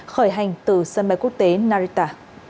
khởi hành từ sân bay quốc tế narita